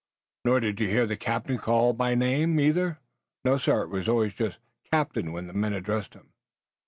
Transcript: "Nor did you hear the captain called by name, either?" "No, sir. It was always just 'captain' when the men addressed him."